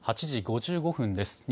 ８時５５分です。